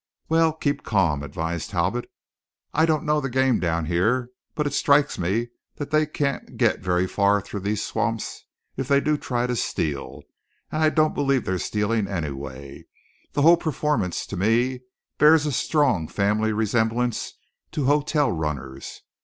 "Well, keep calm," advised Talbot. "I don't know the game down here, but it strikes me they can't get very far through these swamps, if they do try to steal, and I don't believe they're stealing anyway; the whole performance to me bears a strong family resemblance to hotel runners.